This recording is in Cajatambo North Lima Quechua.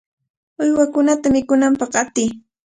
¡Uywakunata mikunanpaq qatiy!